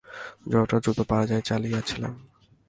যতটা দ্রুত পারা যায় চালিয়েছিলাম।